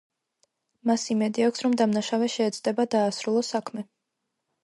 მას იმედი აქვს რომ დამნაშავე შეეცდება დაასრულოს საქმე.